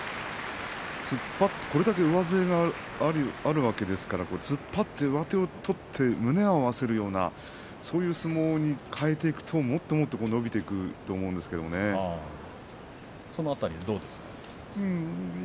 これだけ上背があるわけですから突っ張って上手を取って胸を合わせるようなそういう相撲に変えていくともっともっと伸びていくとその辺りどうですか？